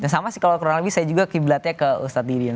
sama sih kalau kurang lebih saya juga kiblatnya ke ustadz didin